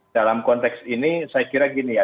dalam konteks ini saya kira gini ya